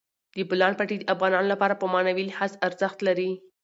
د بولان پټي د افغانانو لپاره په معنوي لحاظ ارزښت لري.